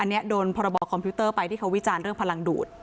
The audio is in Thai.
อันนี้โดนพรบคอมพิวเตอร์ไปที่เขาวิจารณ์เรื่องพลังดูด